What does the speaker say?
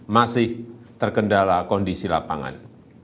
masih terkendala kondisi lapangan